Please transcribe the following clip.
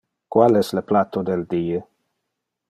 Qual es le platto del die.